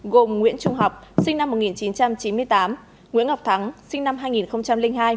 gồm nguyễn trung học sinh năm một nghìn chín trăm chín mươi tám nguyễn ngọc thắng sinh năm hai nghìn hai